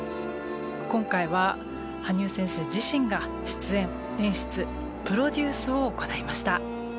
今回は羽生選手自身が出演演出プロデュースを行いました。